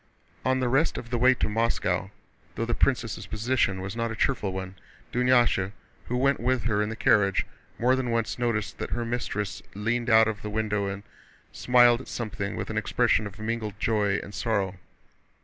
On the rest of the way to Moscow, though the princess' position was not a cheerful one, Dunyásha, who went with her in the carriage, more than once noticed that her mistress leaned out of the window and smiled at something with an expression of mingled joy and sorrow.